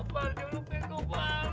parjok lu pindah ke bar